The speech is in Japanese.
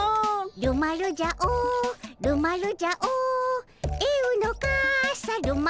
るまるじゃおるまるじゃおえうのかさるまるじゃお。